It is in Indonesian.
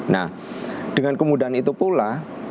nah dengan kemudahan itu pula